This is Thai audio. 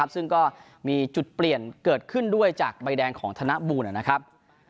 ซึ่งก็มีจุดเปลี่ยนเกิดขึ้นด้วยจากใบแดงของธนบูลนะครับ